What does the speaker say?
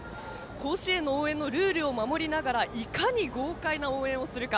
甲子園の応援のルールを守りつついかに豪快な応援をするか。